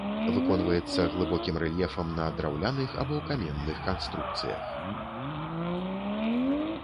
Выконваецца глыбокім рэльефам на драўляных або каменных канструкцыях.